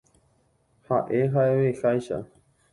Ha'e ha'eveháicha.